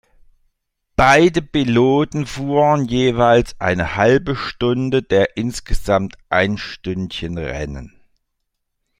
Beide Piloten fuhren jeweils eine halbe Stunde der insgesamt einstündigen Rennen.